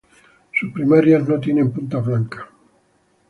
Sus primarias no tienen puntas blancas.